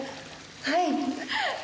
はい。